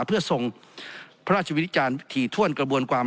เพื่อทรงพระราชวิจารณ์ถี่ถ้วนกระบวนความ